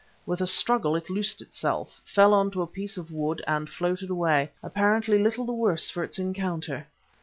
With a struggle it loosed itself, fell on to a piece of wood and floated away, apparently little the worse for the encounter.